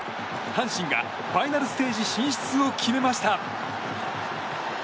阪神がファイナルステージ進出を決めました。